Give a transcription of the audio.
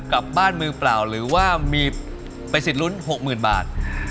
กลับบ้านมือเปล่าหรือว่ามีไปสิทธิ์ลุ้น๖๐๐๐บาท